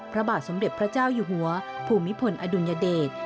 พระบาทสมเด็จพระเจ้าอยู่หัวภูมิพลอดุลยเดช